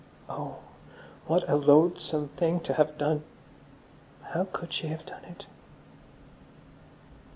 Oh, what a loathsome thing to have done. How could she have done it!